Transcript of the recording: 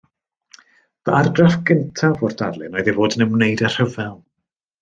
Fy argraff gyntaf o'r darlun oedd ei fod ei yn ymwneud â rhyfel